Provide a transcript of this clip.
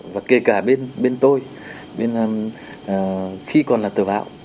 và kể cả bên tôi bên khi còn là tờ báo